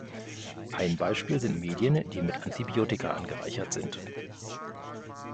Ein Beispiel sind Medien, die mit Antibiotika angereichert sind.